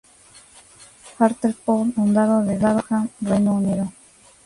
Hartlepool, Condado de Durham, Reino Unido.